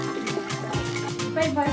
バイバーイ。